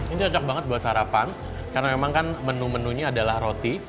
ini cocok banget buat sarapan karena memang kan menu menunya adalah roti